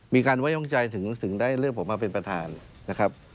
มีการไว้ย่องใจถึงได้เลือกผมมาเป็นประธานนะครับ